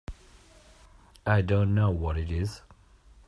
I don't know what it is.